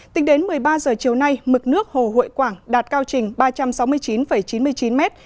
tính đến một mươi ba giờ chiều nay mực nước hồ hội quảng đạt cao trình ba trăm sáu mươi chín chín mươi chín mét